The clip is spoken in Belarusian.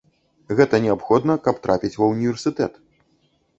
Гэта неабходна, каб трапіць ва ўніверсітэт.